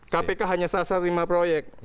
kpk hanya sasar lima proyek